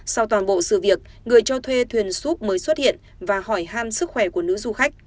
sau toàn bộ sự việc người cho thuê thuyền súp mới xuất hiện và hỏi ham sức khỏe của nữ du khách